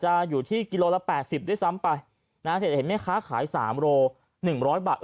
จะอยู่ที่กิโลละ๘๐ด้วยซ้ำไปนะเห็นแม่ค้าขาย๓โล๑๐๐บาท